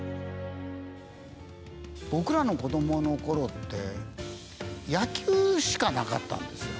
僕らの子供の頃って野球しかなかったんですよ。